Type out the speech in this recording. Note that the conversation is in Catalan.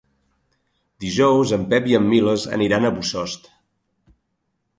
Dijous en Pep i en Milos aniran a Bossòst.